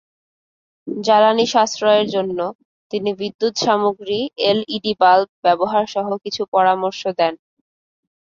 জ্বালানি সাশ্রয়ের জন্য তিনি বিদ্যুৎসাশ্রয়ী এলইডি বাল্ব ব্যবহারসহ কিছু পরামর্শ দেন।